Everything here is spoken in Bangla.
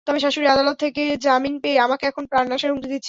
তবে শাশুড়ি আদালত থেকে জামিন পেয়ে আমাকে এখন প্রাণনাশের হুমকি দিচ্ছে।